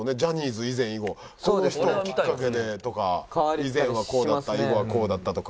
この人をきっかけでとか以前はこうだった以後はこうだったとか。